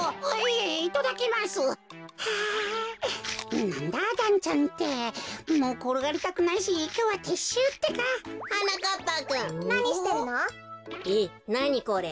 えっなにこれ？